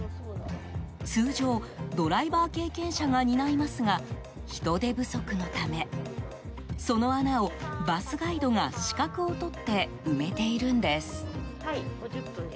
通常、ドライバー経験者が担いますが人手不足のためその穴をバスガイドが資格を取って埋めているんです。